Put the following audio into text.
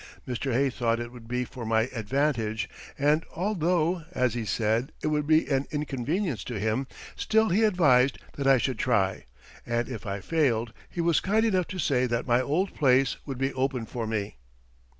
Mr. Hay thought it would be for my advantage, and although, as he said, it would be an inconvenience to him, still he advised that I should try, and if I failed he was kind enough to say that my old place would be open for me.